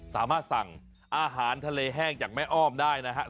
สามารถสั่งอาหารทะเลแห้งจากแม่อ้อมได้นะครับ